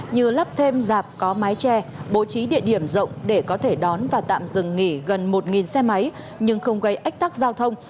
như lắp thêm dạp có mái che bố trí địa điểm rộng để có thể đón và tạm dừng nghỉ gần một xe máy nhưng không gây ách tắc giao thông